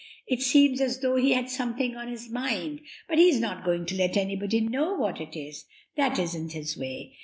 It seems as though he had something on his mind, but he's not going to let anybody know what it is that isn't his way.